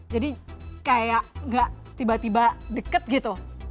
jadi kayak gak tiba tiba deket gitu